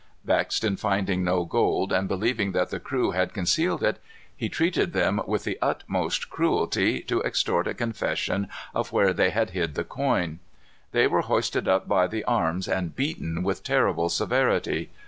Vexed in finding no gold, and believing that the crew had concealed it, he treated them with the utmost cruelty to extort a confession of where they had hid the coin. They were hoisted up by the arms and beaten with terrible severity.